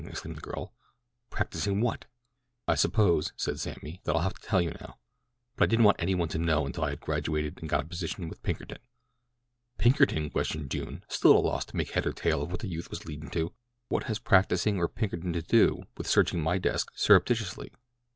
exclaimed the girl. "Practising what?" "I suppose," said Sammy, "that I'll have to tell you now; but I didn't want any one to know until I had graduated and got a position with Pinkerton." "Pinkerton?" questioned June, still at a loss to make head or tail of what the youth was leading to. "What has practising or Pinkerton to do with searching my desk surreptitiously?